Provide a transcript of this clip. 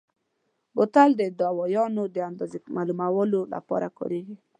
بوتل د دوایانو د اندازې معلومولو لپاره کارېږي.